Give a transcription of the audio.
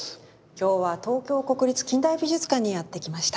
今日は東京国立近代美術館にやって来ました。